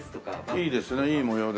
いいですねいい模様ですね。